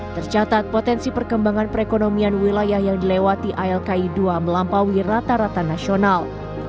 tercatat potensi perkembangan perekonomian wilayah yang dilewati alki dua melampaui rata rata nasional